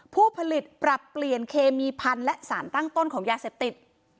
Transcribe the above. ผู้ผลิตปรับเปลี่ยนเคมีพันธุ์และสารตั้งต้นของยาเสพติด